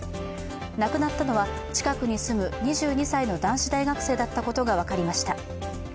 亡くなったのは近くに住む２２歳の男子大学生だったことが分かりました。